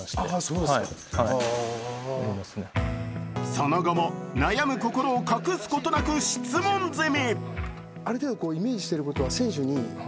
その後も、悩む心を隠すことなく質問攻め。